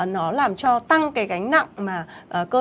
nó làm cho tăng cái gánh nặng mà cơ